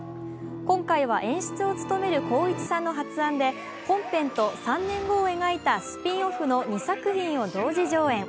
今回は演出を務める光一さんの発案で、本編と３年後を描いたスピンオフの２作品を同時上演。